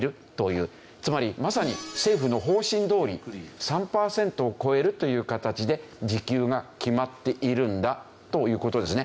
つまりまさに政府の方針どおり３パーセントを超えるという形で時給が決まっているんだという事ですね。